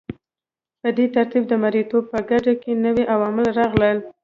په دې ترتیب د مرئیتوب په ګیډه کې نوي عوامل راغلل.